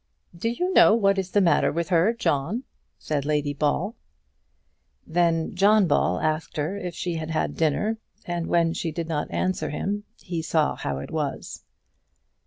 "Do you know what is the matter with her, John?" said Lady Ball. Then John Ball asked her if she had had dinner, and when she did not answer him he saw how it was.